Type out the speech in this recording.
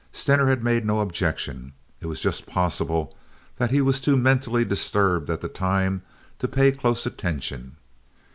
Stener had made no objection. It was just possible that he was too mentally disturbed at the time to pay close attention.